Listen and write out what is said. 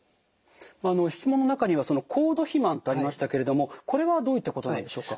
質問の中には高度肥満とありましたけれどもこれはどういったことなんでしょうか？